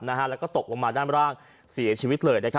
นะฮะแล้วก็ตบโรมาได้ร่าสีชีวิต